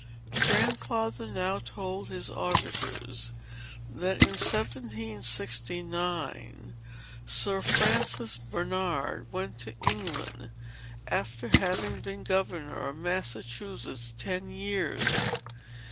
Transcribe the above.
Grandfather now told his auditors, that, in 1769, Sir Francis Bernard went to England, after having been governor of Massachusetts ten years.